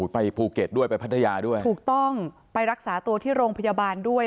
ไปภูเก็ตด้วยไปพัทยาด้วยถูกต้องไปรักษาตัวที่โรงพยาบาลด้วย